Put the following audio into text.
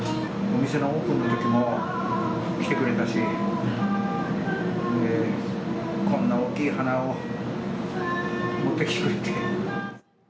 お店のオープンのときも来てくれたし、こんな大きい花を持ってきてくれて。